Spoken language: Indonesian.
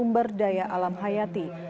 berdaya alam hayati